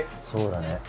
そうだね。